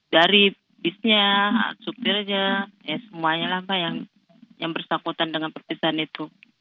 dari bisnya sopirnya ya semuanya lah pak yang bersakutan dengan perpisahan itu